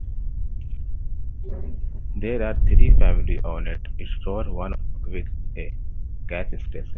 There are three family owned stores, one with a gas station.